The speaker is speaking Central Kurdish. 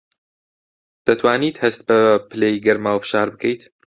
دەتوانیت هەست بە پلەی گەرما و فشار بکەیت؟